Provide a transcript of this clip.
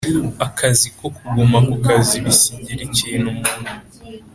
akazi ko Kuguma ku kazi bisigira iki umuntu